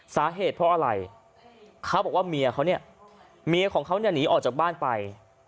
สาเหตุเพราะอะไรเขาบอกว่าเมียเขาเนี่ยเมียของเขาเนี่ยหนีออกจากบ้านไป